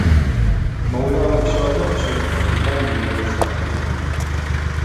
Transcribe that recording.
Маўляў, усё адно сёння гэта пытанне невырашальнае.